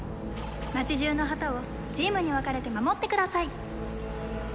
町中の旗をチームに分かれて守ってください。